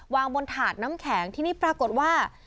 วางบนถาดน้ำแข็งที่นี่ปรากฏว่า